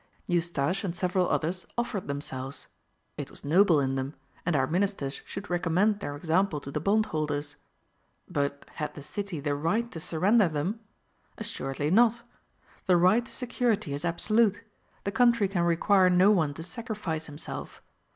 Eustache and several others offered themselves; it was noble in them, and our ministers should recommend their example to the bondholders. But had the city the right to surrender them? Assuredly not. The right to security is absolute; the country can require no one to sacrifice himself.